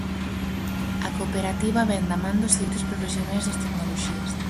A cooperativa vén da man dos seguintes profesionais das tecnoloxías: